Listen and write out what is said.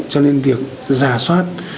cho nên việc giả soát